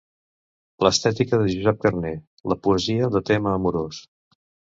L'estètica de Josep Carner: la poesia de tema amorós.